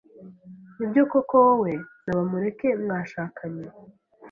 Nibyo koko wowe na Bamureke mwashakanye?